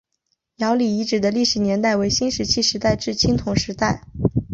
姚李遗址的历史年代为新石器时代至青铜时代。